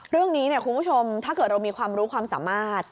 เรื่องนี้เนี่ยคุณผู้ชมถ้าเกิดเรามีความรู้ความสามารถ